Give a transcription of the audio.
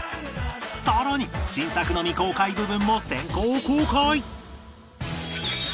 さらに新作の未公開部分も先行公開！